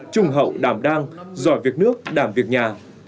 trung hậu đảm đang giỏi việc nước đảm việc nhà